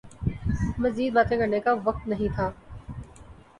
مزید باتیں کرنے کا وقت نہیں تھا